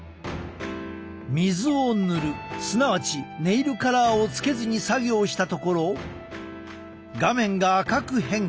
水を塗るすなわちネイルカラーをつけずに作業したところ画面が赤く変化。